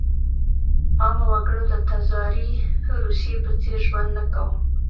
عامه وګړو د تزاري روسیې په څېر ژوند نه کاوه.